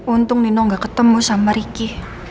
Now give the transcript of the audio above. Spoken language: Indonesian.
untung nino nggak ketemu sama ricky